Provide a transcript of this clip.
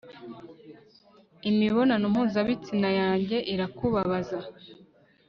Imibonano mpuzabitsina yanjye irakubabaza